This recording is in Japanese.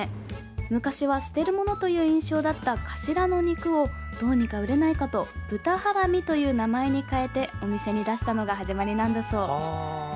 昔は捨てるものという印象だった頭の肉をどうにか売れないかと豚ハラミという名前に変えてお店に出したのが始まりなんだそう。